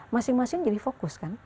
masing masing jadi fokus kan